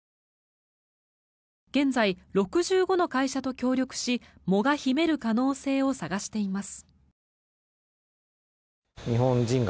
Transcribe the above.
現在、６５の会社と協力し藻が秘める可能性を探しています。